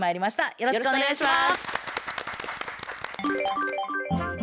よろしくお願いします。